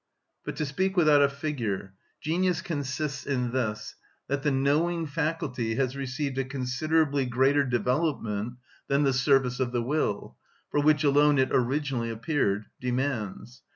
But to speak without a figure: genius consists in this, that the knowing faculty has received a considerably greater development than the service of the will, for which alone it originally appeared, demands.